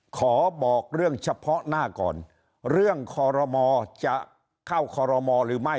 ขอบอกเรื่องเฉพาะหน้าก่อนเรื่องคอรมอจะเข้าคอรมอหรือไม่